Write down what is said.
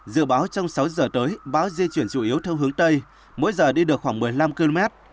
dự báo trong sáu giờ tới bão di chuyển chủ yếu theo hướng tây mỗi giờ đi được khoảng một mươi năm km